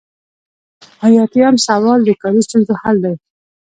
ایاتیام سوال د کاري ستونزو حل دی.